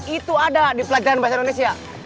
itu ada di pelajaran bahasa indonesia